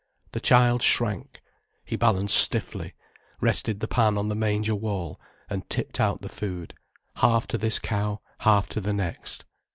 The child shrank, he balanced stiffly, rested the pan on the manger wall, and tipped out the food, half to this cow, half to the next.